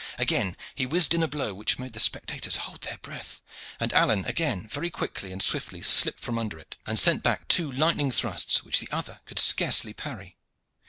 Again he whizzed in a blow which made the spectators hold their breath, and again Alleyne very quickly and swiftly slipped from under it, and sent back two lightning thrusts which the other could scarce parry.